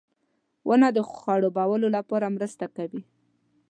• ونه د خړوبولو لپاره مرسته کوي.